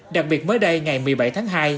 đặc biệt mới đây ngày một mươi bảy tháng hai